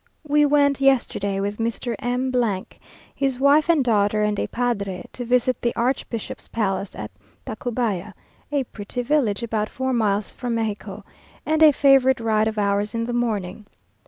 We went yesterday with Mr. M , his wife and daughter and a padre to visit the archbishop's palace at Tacubaya, a pretty village about four miles from Mexico, and a favourite ride of ours in the morning.